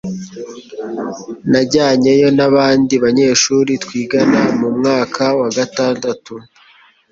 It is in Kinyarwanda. Najyanyeyo n'abandi banyeshuri twigana mu mwaka wa gatandatu